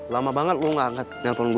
lama sekali kau tidak mengangkat handphone aku